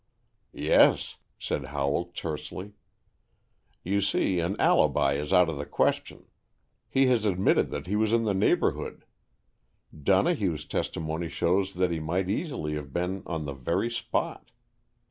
"Yes," said Howell tersely. "You see, an alibi is out of the question. He has admitted that he was in the neighborhood. Donohue's testimony shows that he might easily have been on the very spot.